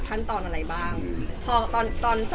ท่านตอนอะไรบ้างตอน๒